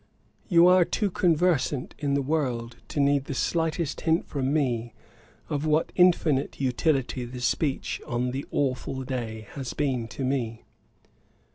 'You are too conversant in the world to need the slightest hint from me, of what infinite utility the Speech on the aweful day has been to me.